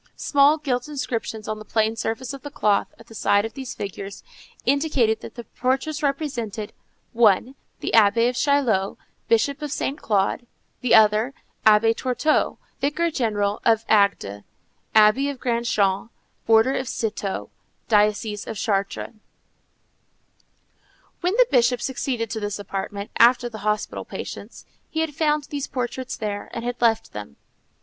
Small gilt inscriptions on the plain surface of the cloth at the side of these figures indicated that the portraits represented, one the Abbé of Chaliot, bishop of Saint Claude; the other, the Abbé Tourteau, vicar general of Agde, abbé of Grand Champ, order of Cîteaux, diocese of Chartres. When the Bishop succeeded to this apartment, after the hospital patients, he had found these portraits there, and had left them.